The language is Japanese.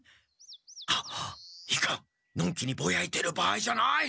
いかんのんきにぼやいてる場合じゃない。